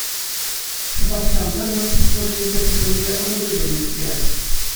Шӑпах ҫавӑнта наци спорчӗн тӗсӗсемпе ӑмӑртусем ирттерӗҫ.